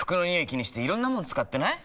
気にしていろんなもの使ってない？